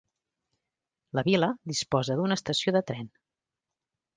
La vila disposa d'una estació de tren.